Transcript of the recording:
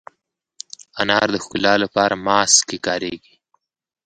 انار د ښکلا لپاره ماسک کې کارېږي.